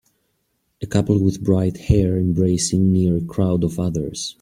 A couple with bright hair embracing near a crowd of others.